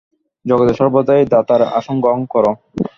জগতে সর্বদাই দাতার আসন গ্রহণ কর।